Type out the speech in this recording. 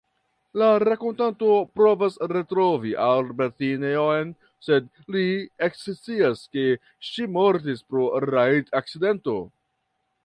La rakontanto provas retrovi Albertine-on, sed li ekscias ke ŝi mortis pro rajd-akcidento.